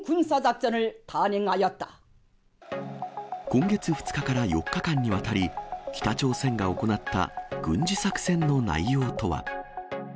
今月２日から４日間にわたり、北朝鮮が行った軍事作戦の内容とは。